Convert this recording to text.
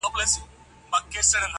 چي پیر مو سو ملګری د شیطان څه به کوو؟!